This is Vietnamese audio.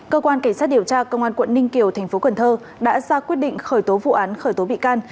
cơ quan cảnh sát điều tra công an quận ninh kiều tp cn đã ra quyết định khởi tố vụ án khởi tố bị can